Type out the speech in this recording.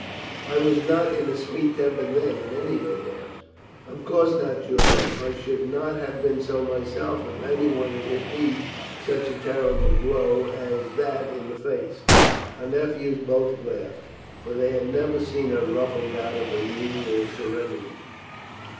"I was not in a sweet temper then at any rate, Aunt." "Of course not, Julian. I should not have been so myself if anyone had hit me such a terrible blow as that in the face." Her nephews both laughed, for they had never seen her ruffled out of her usual serenity.